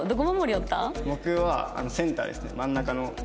僕はセンターですね真ん中の。